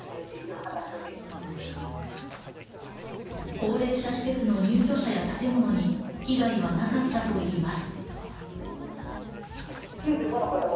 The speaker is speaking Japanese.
高齢者施設の入居者や建物に被害はなかったといいます。